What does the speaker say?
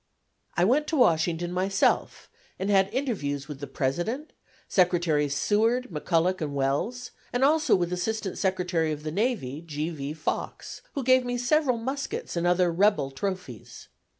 I went to Washington myself, and had interviews with the President, Secretaries Seward, McCulloch and Welles, and also with Assistant Secretary of the Navy, G. V. Fox, who gave me several muskets and other "rebel trophies."